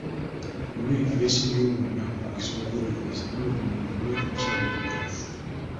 Muwe abeesimbyewo bonna omukisa okubawuliriza n’oluvanyuma mukole okusalawo okutuufu.